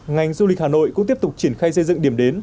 ngành du lịch hà nội cũng tiếp tục triển khai xây dựng điểm đến